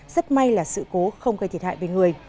rất may là sự cố không gây thiệt hại về người